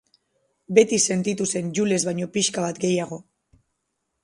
Beti sentitu zen Jules baino pixka bat gehiago.